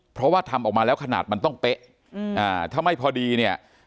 เพราะว่าทำออกมาแล้วขนาดมันต้องเป๊ะถ้าไม่พอดีเนี่ย